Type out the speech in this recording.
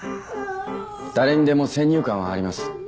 誰にでも先入観はあります。